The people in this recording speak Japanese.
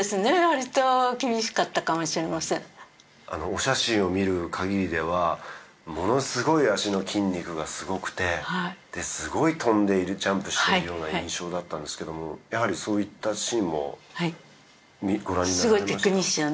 割と厳しかったかもしれませんあのお写真を見るかぎりではものすごい脚の筋肉がすごくてはいですごい跳んでいるジャンプしてるような印象だったんですけどもやはりそういったシーンもご覧になられました？